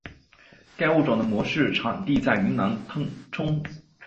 该物种的模式产地在云南腾冲。